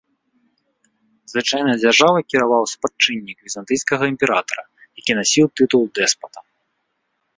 Звычайна дзяржавай кіраваў спадчыннік візантыйскага імператара, які насіў тытул дэспата.